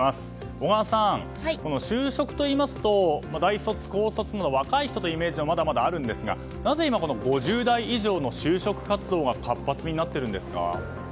小川さん、就職といいますと大卒、高卒の若い人のイメージがまだまだあるんですがなぜ今、５０代以上の就職活動が活発になっているんですか？